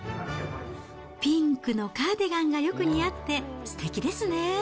ピンクのカーディガンがよく似合って、すてきですね。